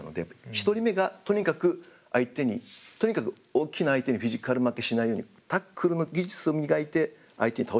１人目がとにかく相手にとにかく大きな相手にフィジカル負けしないようにタックルの技術を磨いて相手倒していくと。